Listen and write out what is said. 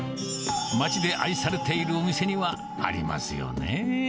町で愛されているお店には、ありますよね。